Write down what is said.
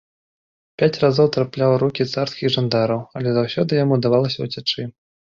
Пяць разоў трапляў у рукі царскіх жандараў, але заўсёды яму ўдавалася ўцячы.